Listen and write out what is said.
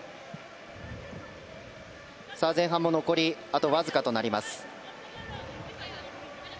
前半も残りわずかとなります。